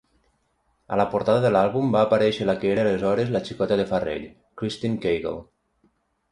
A la portada de l'àlbum va aparèixer la que era aleshores la xicota de Farrell, Christine Cagle.